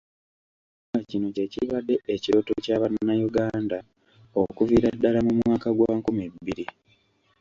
Kubanga kino kye kibadde ekirooto kya Bannayuganda okuviira ddala mu mwaka gwa nkumi bbiri.